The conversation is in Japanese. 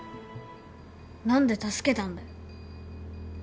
何で助けたんだよ。